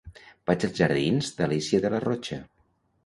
Vaig als jardins d'Alícia de Larrocha.